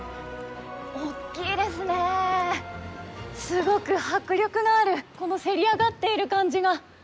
すごく迫力のあるこのせり上がっている感じが。